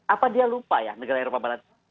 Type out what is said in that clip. apa dia lupa ya negara eropa barat